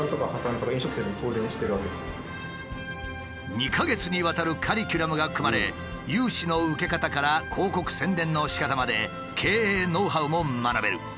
２か月にわたるカリキュラムが組まれ融資の受け方から広告宣伝のしかたまで経営ノウハウも学べる。